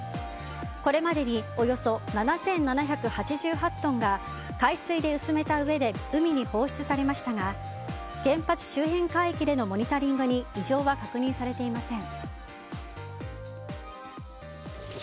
これまでにおよそ７７８８トンが海水で薄めたうえで海に放出されましたが原発周辺海域でのモニタリングに異常は確認されていません。